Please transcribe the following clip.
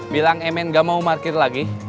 bilang mn enggak mau parkir lagi